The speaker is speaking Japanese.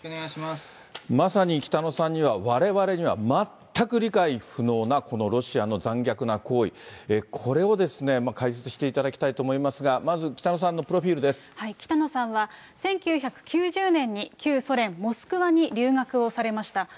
まさに北野さんには、われわれには全く理解不能なこのロシアの残虐な行為、これを解析していただきたいと思いますが、まず北野さんのプロフ北野さんは、１９９０年に旧ソ連・モスクワに留学をされました。